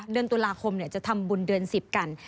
เดือนตุลาคมจะทำบุญเดือน๑๐กัน